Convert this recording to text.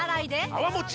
泡もち